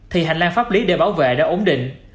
thì hành lang pháp lý để bảo vệ đã ổn định